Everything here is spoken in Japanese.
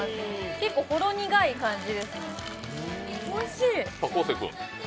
結構ほろ苦い感じですね、おいしい。